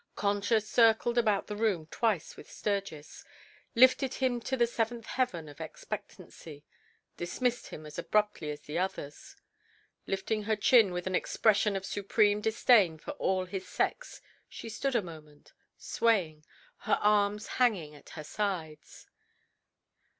Concha circled about the room twice with Sturgis, lifted him to the seventh heaven of expectancy, dismissed him as abruptly as the others. Lifting her chin with an expression of supreme disdain for all his sex, she stood a moment, swaying, her arms hanging at her sides.